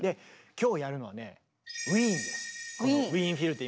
今日やるのはねウィーンです。